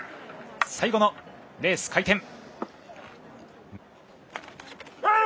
最後のレース、回転。